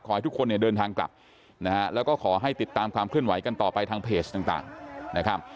ขอให้ทุกคนเนี่ยเดินทางกลับนะฮะแล้วก็ขอให้ติดตามความเคลื่อนไหวกันต่อไปทางเพจต่างนะครับ